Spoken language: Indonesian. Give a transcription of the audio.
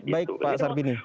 baik pak sarbini